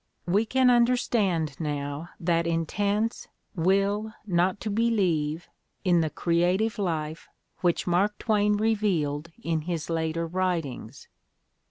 We can understand now that intense will nof to believe in the creative life which Mark Twain revealed in his later writings.